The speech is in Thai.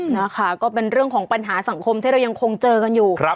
นะคะก็เป็นเรื่องของปัญหาสังคมที่เรายังคงเจอกันอยู่